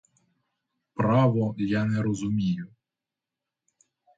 Право, я не розумію.